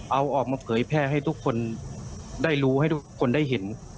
เอาออกมาเผยแพร่ให้ทุกคนได้รู้ให้ทุกคนได้เห็น